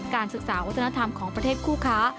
การศึกษาวัฒนธรรมของประเทศคู่ค้า